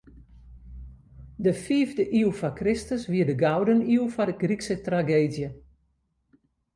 De fiifde iuw foar Kristus wie de gouden iuw foar de Grykske trageedzje.